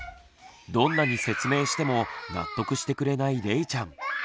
どんなに説明しても納得してくれないれいちゃん。